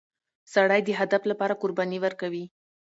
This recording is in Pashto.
سړی د هدف لپاره قرباني ورکوي